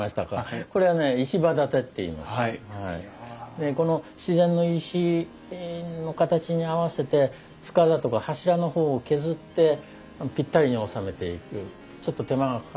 でこの自然の石の形に合わせて束だとか柱の方を削ってぴったりに収めていくちょっと手間がかかる昔の方法ですね。